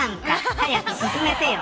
早く進めてよ。